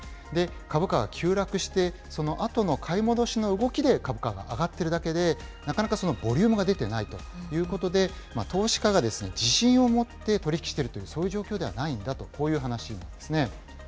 株価が急落して、そのあとの買い戻しの動きで株価が上がっているだけで、なかなかボリュームが出てないということで、投資家が自信を持って取り引きしているという、そういう状況ではないんだと、こういう話なんですね。